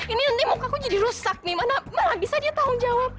ini nanti muka aku jadi rusak nih mana abis aja tanggung jawab